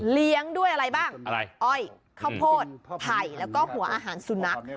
เลี้ยงด้วยอะไรบ้างอะไรอ้อยข้าวโพดไผ่แล้วก็หัวอาหารสุนัข